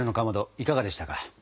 いかがでしたか？